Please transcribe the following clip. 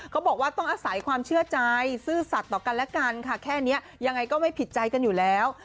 เขาบอกว่าต้องอาศัยความเชื่อใจซื่อสัตว์ต่อกันและกันค่ะแค่นี้ยังไงก็ไม่ผิดใจกันอยู่แล้ว